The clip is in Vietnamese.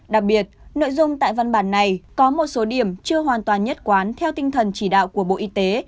đặc biệt nội dung tại văn bản này có một số điểm chưa hoàn toàn nhất quán theo tinh thần chỉ đạo của bộ y tế